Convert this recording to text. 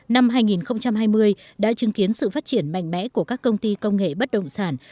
năm hai nghìn hai mươi đã chứng kiến sự phát triển mạnh mẽ của các công ty công nghệ bất động sản